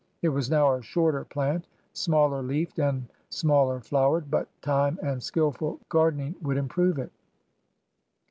It was now a shorter plant, smaller leafed and smaller flowered, but time and skilful gardening would improve it.